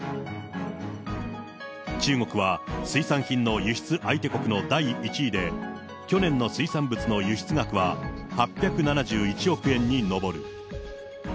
中国は水産品の輸出相手国の第１位で、去年の水産物の輸出額は８７１億円に上る。